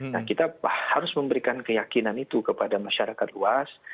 nah kita harus memberikan keyakinan itu kepada masyarakat luas